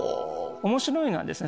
面白いのはですね